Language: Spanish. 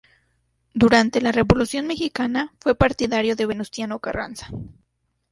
Durante la Revolución mexicana, fue partidario de Venustiano Carranza.